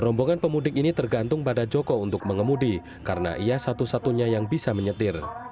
rombongan pemudik ini tergantung pada joko untuk mengemudi karena ia satu satunya yang bisa menyetir